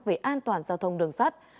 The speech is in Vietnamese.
về an toàn giao thông đường sắt